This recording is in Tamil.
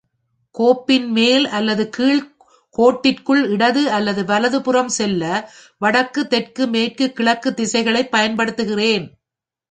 கோப்பின் மேல் அல்லது கீழ் , கோட்டிற்குள் இடது அல்லது வலதுபுறம் செல்ல வடக்கு, தெற்கு, மேற்கு, கிழக்கு திசைகளைப் பயன்படுத்துகிறேன்.